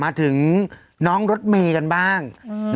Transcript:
มาถึงน้องรถเมย์กันบ้าง